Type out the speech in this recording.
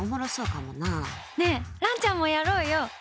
ねえ、蘭ちゃんもやろうよ。